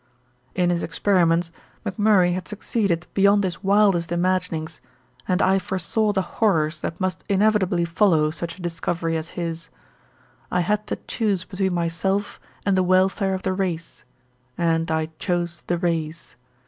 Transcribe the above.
In his experiments McMurray had succeeded beyond his wildest imaginings, and I foresaw the horrors that must inevitably follow such a discovery as his. I had to choose between myself and the welfare of the race, and I chose the race.